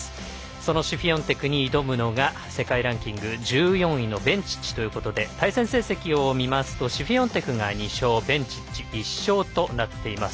そのシフィオンテクに挑むのが世界ランキング１４位のベンチッチということで対戦成績を見ますとシフィオンテクが２勝ベンチッチは１勝となっています。